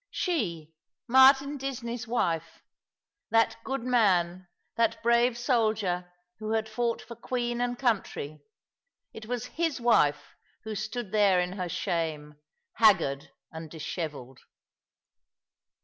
She, Martin Disney's wife! That good man, that brave soldier who had fought for Queen and country — it was his wife who stood there in her shame, haggard and dishevelled